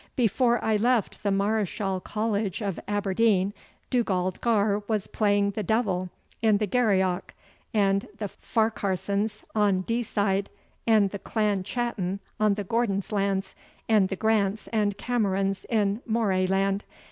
"Before I left the Mareschal College of Aberdeen, Dugald Garr was playing the devil in the Garioch, and the Farquharsons on Dee side, and the Clan Chattan on the Gordons' lands, and the Grants and Camerons in Moray land.